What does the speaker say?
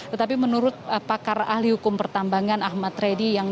tetapi menurut pakar ahli hukum pertambangan ahmad reddy